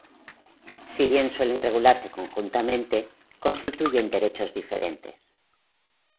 Si bien suelen regularse conjuntamente, constituyen derechos diferentes.